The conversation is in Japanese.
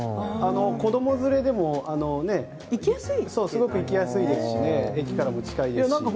子供連れでもすごく行きやすいですし駅からも近いですし。